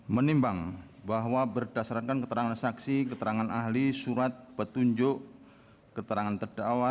menimbang bahwa barang bukti yang diajukan oleh terdakwa